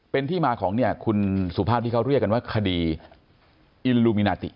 เป็นที่มาของเนี่ยคุณสุภาพที่เขาเรียกกันว่าคดีอินลูมินาติ